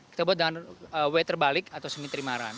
kita buat dengan w terbalik atau semi terimaran